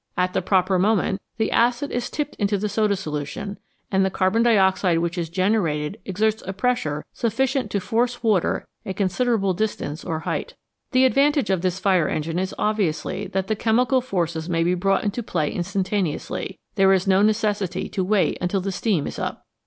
At the proper moment, the acid is tipped into the soda solution, and the carbon dioxide which is generated exerts a pressure sufficient to force water a considerable distance or height. The advan tage of this fire engine is obviously that the chemical forces may be brought into play instantaneously ; there is no necessity to wait until the steam is up.